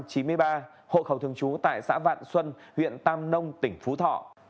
hội khẩu thường trú tại xã vạn xuân huyện tam nông tỉnh phú thọ